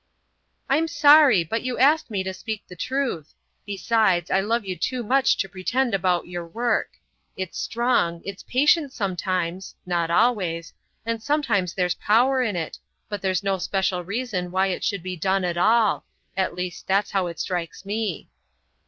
"I'm sorry, but you asked me to speak the truth. Besides, I love you too much to pretend about your work. It's strong, it's patient sometimes,—not always,—and sometimes there's power in it, but there's no special reason why it should be done at all. At least, that's how it strikes me."